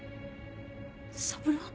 三郎？